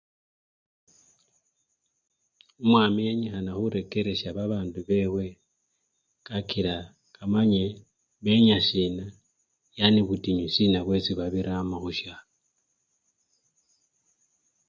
Omwami enyikhana khurekeresya babandu bewe kakila kamaye benya sina, yani butinyu sina bwesi babiramo khusyalo.